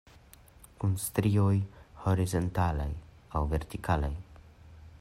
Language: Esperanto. Kun strioj horizontalaj aŭ vertikalaj?